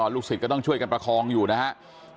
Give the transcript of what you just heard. ลูกศิษย์ก็ต้องช่วยกันประคองอยู่นะครับ